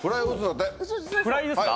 フライですか？